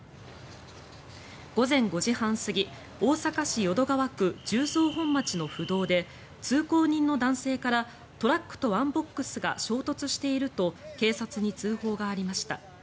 午前５時半過ぎ大阪市淀川区十三本町の府道で通行人の男性から、トラックとワンボックスが衝突していると警察に通報がありました。